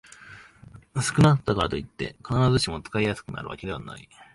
薄くなったからといって、必ずしも使いやすくなるわけではない